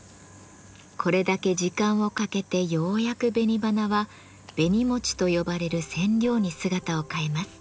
これだけ時間をかけてようやく紅花は「紅餅」と呼ばれる染料に姿を変えます。